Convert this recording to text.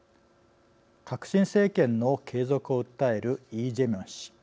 革新政権の継続を訴えるイ・ジェミョン氏。